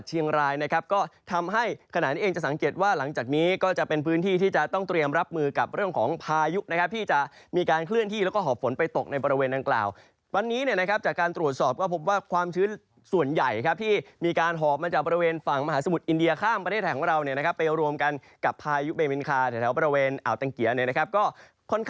เชียงรายนะครับก็ทำให้ขนาดนี้เองจะสังเกตว่าหลังจากนี้ก็จะเป็นพื้นที่ที่จะต้องเตรียมรับมือกับเรื่องของพายุนะครับที่จะมีการเคลื่อนที่แล้วก็หอบฝนไปตกในประเวณดังกล่าววันนี้เนี่ยนะครับจากการตรวจสอบก็พบว่าความชื้นส่วนใหญ่ครับที่มีการหอบมาจากประเวณฝั่งมหาสมุทรอินเดียข้ามประเทศ